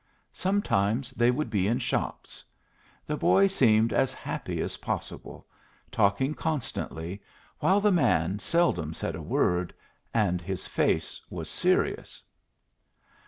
Sometimes they would be in shops. The boy seemed as happy as possible, talking constantly, while the man seldom said a word, and his face was serious.